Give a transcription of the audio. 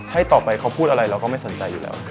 ให้ต่อไปเขาพูดอะไรเราก็ไม่สนใจอยู่แล้ว